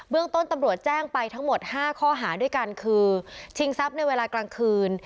เรื่องต้นตำรวจแจ้งไปทั้งหมด๕ข้อหาด้วยกันคือชิงทรัพย์ในเวลากลางคืน